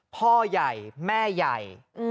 พ่อใหญ่แม่ใหญ่